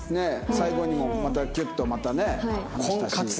最後にもまたキュッとまたね話したし。